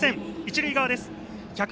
一塁側です。